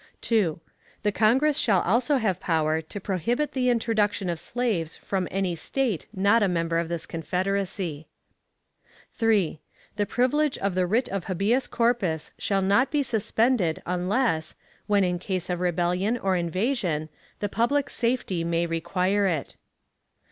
2. The Congress shall also have power to prohibit the introduction of slaves from any State not a member of this Confederacy. 3. The privilege of the writ of habeas corpus shall not be suspended unless, when in case of rebellion or invasion, the public safety may require it.